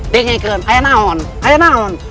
dengar saja ayah naon